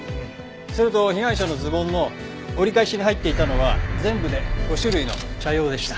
それと被害者のズボンの折り返しに入っていたのは全部で５種類の茶葉でした。